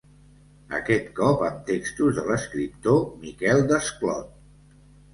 Aquest cop amb textos de l'escriptor Miquel Desclot.